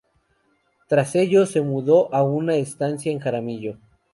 Tras ello, se mudó a una estancia en Jaramillo.